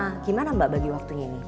bagaimana mbak bagi waktunya ini